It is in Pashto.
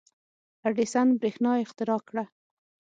• اډیسن برېښنا اختراع کړه.